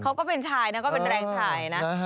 ก็เป็นชายนะก็เป็นแรงชายนะ